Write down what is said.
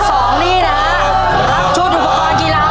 ชุดอุปกรณ์กีฬามูลค่า๔๕๐๐๐บาทเลยนะครับ